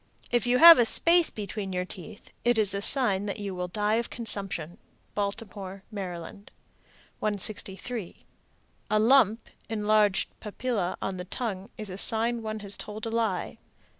If you have a space between your teeth, it is a sign that you will die of consumption. Baltimore, Md. 163. A lump (enlarged papilla) on the tongue is a sign one has told a lie.